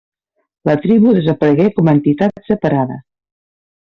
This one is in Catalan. La tribu desaparegué com a entitat separada.